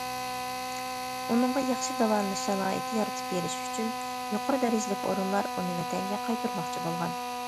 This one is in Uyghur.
ئۇنىڭغا ياخشى داۋالىنىش شارائىتى يارىتىپ بېرىش ئۈچۈن يۇقىرى دەرىجىلىك ئورۇنلار ئۇنى ۋەتەنگە قايتۇرماقچى بولغان.